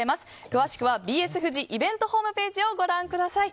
詳しくはＢＳフジイベントホームページをご覧ください。